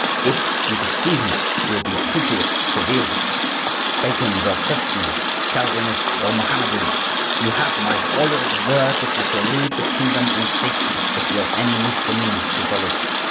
If you deceive me you will be treated severely. Pagans or Christians, Calvinists or Mohammedans, you have my royal word that you shall leave the kingdom in safety if you have any misdemeanors to relate.